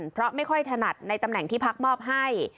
เพราะไม่ค่อยถนัดในตำแหน่งที่พักมอบให้